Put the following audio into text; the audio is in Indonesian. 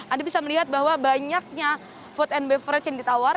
anda bisa melihat bahwa banyaknya food and beverage yang ditawar